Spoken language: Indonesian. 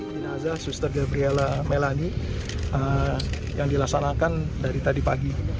jenazah suster gabriela melani yang dilaksanakan dari tadi pagi